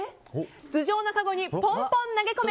頭上のカゴにポンポン投げ込め！